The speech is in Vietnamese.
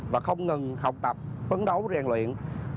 và không ngừng học tập phấn đấu rèn luyện